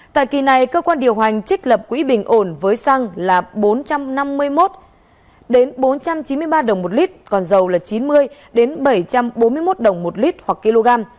tại kỳ này cơ quan điều hành trích lập quỹ bình ổn với xăng là bốn trăm năm mươi một bốn trăm chín mươi ba đồng một lít còn dầu là chín mươi bảy trăm bốn mươi một đồng một lít hoặc kg